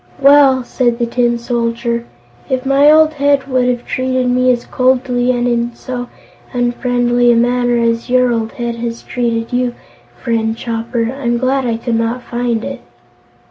"Well," said the Tin Soldier, "if my old head would have treated me as coldly and in so unfriendly a manner as your old head has treated you, friend Chopper, I'm glad I could not find it."